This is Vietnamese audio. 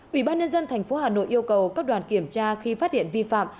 ủy ban nhân dân thành phố hà nội yêu cầu các đoàn kiểm tra khi phát hiện vi phạm